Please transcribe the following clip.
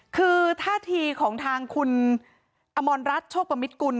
คือท่าทีของทางคุณอมรรัฐโชคประมิตกุล